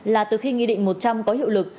là từ khi nghị định một trăm linh có hiệu lực